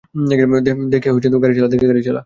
দেখে গাড়ি চালা!